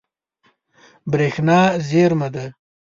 برېښنا زیرمه ده.